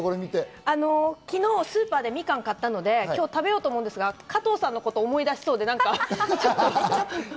昨日、スーパーでみかんを買ったので、今日食べようと思うんですが、加藤さんのことを思い出しそうで。